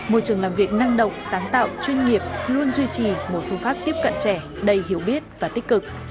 môi trường làm việc năng động sáng tạo chuyên nghiệp luôn duy trì một phương pháp tiếp cận trẻ đầy hiểu biết và tích cực